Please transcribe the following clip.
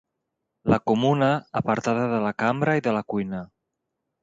La comuna, apartada de la cambra i de la cuina.